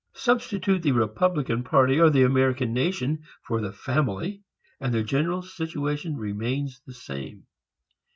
Substitute the Republican party or the American nation for the family and the general situation remains the same.